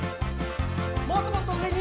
もっともっとうえに！